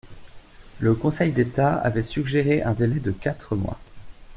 Le Conseil d’État avait suggéré un délai de quatre mois.